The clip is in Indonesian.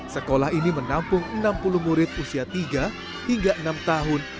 sekolah ini menampung enam puluh murid usia tiga hingga enam tahun